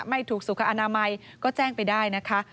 ไม่ถูกสุขอนามัยก็แจ้งไปได้นะคะ